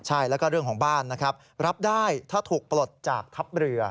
ใช่แล้วก็เรื่องของบ้านนะครับรับได้ถ้าถูกปลดจากทัพเรือ